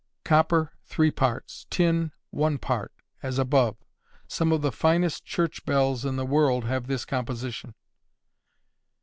Copper 3 parts; tin 1 part; as above. Some of the finest church bells in the world have this composition.